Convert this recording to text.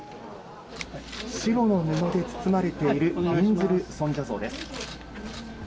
白の布で包まれているびんずる尊者像です。